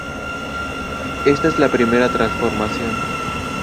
Esta es la primera transformación.